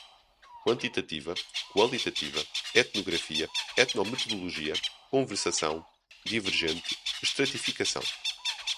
quantitativa, qualitativa, etnografia, etnometodologia, conversação, divergente, estratificação